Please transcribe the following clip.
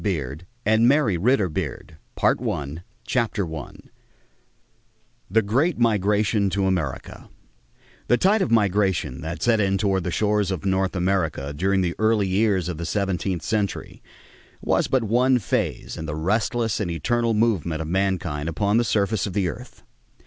THE COLONIAL PERIOD CHAPTER I THE GREAT MIGRATION TO AMERICA The tide of migration that set in toward the shores of North America during the early years of the seventeenth century was but one phase in the restless and eternal movement of mankind upon the surface of the earth.